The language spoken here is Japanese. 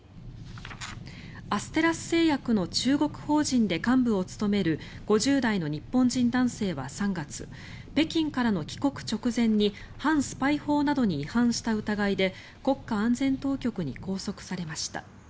アステラス製薬の中国法人で幹部を務める５０代の日本人男性は３月北京からの帰国直前に反スパイ法などに違反した疑いで国家安全当局に拘束されました。